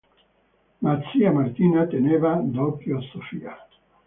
Ma zia Martina teneva d'occhio Sofia.